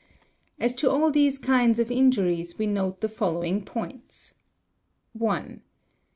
As to all these kinds of injuries we note the following points :— 1.